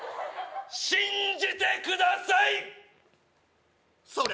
信じてくださいっ！